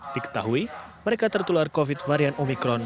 diketahui mereka tertular covid varian omikron